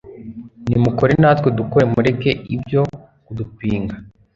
Nimukore natwe dukore mureke ibyo kudupinga